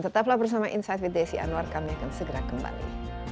tetaplah bersama insight with desi anwar kami akan segera kembali